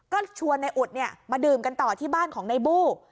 ก็ชวนในอุดมาดื่มกันต่อที่บ้านของในบู้